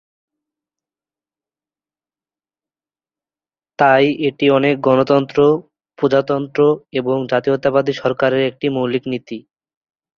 তাই এটি অনেক গণতন্ত্র, প্রজাতন্ত্র এবং জাতীয়তাবাদী সরকারের একটি মৌলিক নীতি।